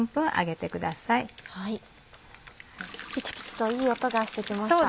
ピチピチといい音がして来ました。